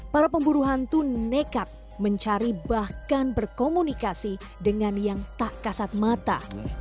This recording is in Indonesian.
para pemburu hantu nekat mencari bahkan berkomunikasi dengan yang tak kasat mata